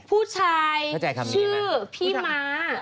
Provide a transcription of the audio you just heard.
ผู้ชายชื่อพี่ม้า